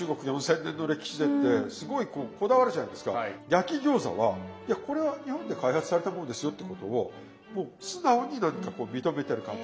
焼き餃子はいやこれは日本で開発されたものですよってことを素直に何かこう認めてる感じ。